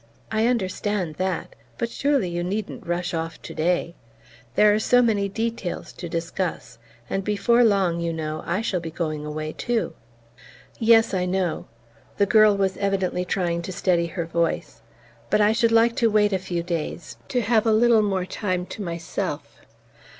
I understand that but surely you needn't rush off today? There are so many details to discuss; and before long, you know, I shall be going away too." "Yes, I know." The girl was evidently trying to steady her voice. "But I should like to wait a few days to have a little more time to myself."